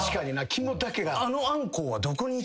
肝だけが。